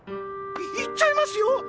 行っちゃいますよ！